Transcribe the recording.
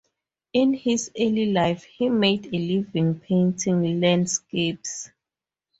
In his early life, he made a living painting landscapes.